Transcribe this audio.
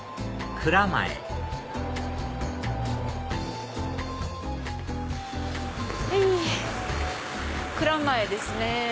蔵前ですね。